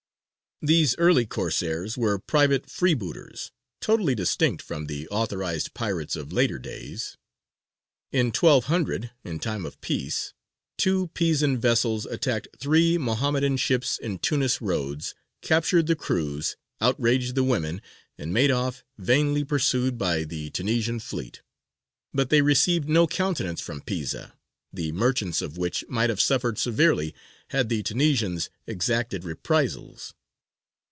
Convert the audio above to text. These early Corsairs were private freebooters, totally distinct from the authorized pirates of later days. In 1200, in time of peace, two Pisan vessels attacked three Mohammedan ships in Tunis roads, captured the crews, outraged the women, and made off, vainly pursued by the Tunisian fleet: but they received no countenance from Pisa, the merchants of which might have suffered severely had the Tunisians exacted reprisals.